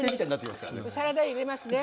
サラダ油、入れますね。